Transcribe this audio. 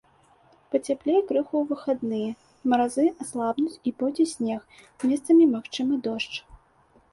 Пацяплее крыху ў выхадныя, маразы аслабнуць і пойдзе снег, месцамі магчымы дождж.